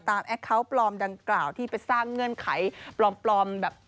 แอคเคาน์ปลอมดังกล่าวที่ไปสร้างเงื่อนไขปลอมแบบ